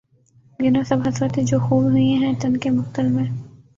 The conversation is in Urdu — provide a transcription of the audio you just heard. گنو سب حسرتیں جو خوں ہوئی ہیں تن کے مقتل میں